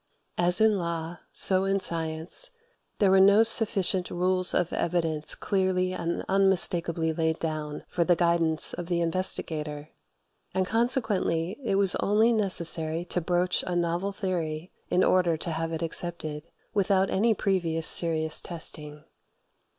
As in law, so in science, there were no sufficient rules of evidence clearly and unmistakably laid down for the guidance of the investigator; and consequently it was only necessary to broach a novel theory in order to have it accepted, without any previous serious testing.